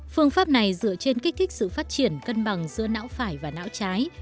phương pháp này dựa trên kích thích sự phát triển cân bằng giữa não phải và não trái